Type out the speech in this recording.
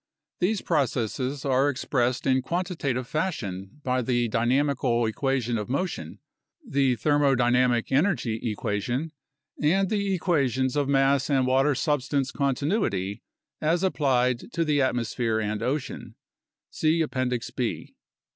These processes are expressed in quantitative fashion by the dynamical equation of motion, the thermo dynamic energy equation, and the equations of mass and water substance continuity, as applied to the atmosphere and ocean (see Appendix B).